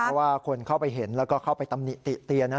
เพราะว่าคนเข้าไปเห็นแล้วก็เข้าไปตำหนิติเตียนนะ